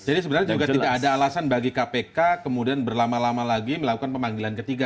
jadi sebenarnya juga tidak ada alasan bagi kpk kemudian berlama lama lagi melakukan pemanggilan ketiga